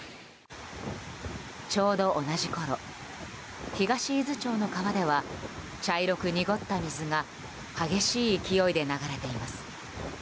ちょうど同じころ東伊豆町の川では茶色く濁った水が激しい勢いで流れています。